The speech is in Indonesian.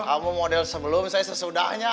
kamu model sebelum saya sesudahnya